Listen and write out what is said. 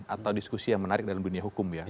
atau diskusi yang menarik dalam dunia hukum ya